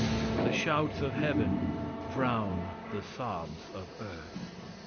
The shouts of heaven drown the sobs of earth.